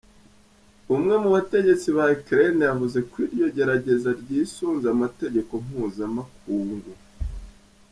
Umwe mu bategetsi ba Ukraine yavuze kw'iryo gerageza ryisunze amategeko mpuzamakungu.